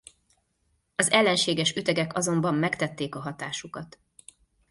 Az ellenséges ütegek azonban megtették a hatásukat.